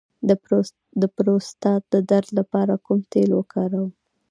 د پروستات د درد لپاره کوم تېل وکاروم؟